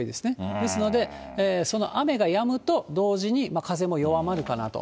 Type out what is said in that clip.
ですので、その雨がやむと同時に風も弱まるかなと。